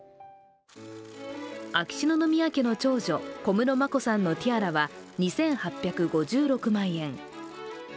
秋篠宮家の長女・小室眞子さんのティアラは２８５６万円。